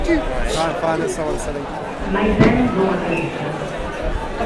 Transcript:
Mais vén dunha tradición.